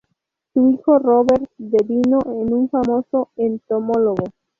Su hijo Robert devino en un famoso entomólogo.